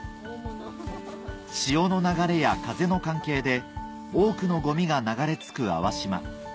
潮の流れや風の関係で多くのゴミが流れ着く粟島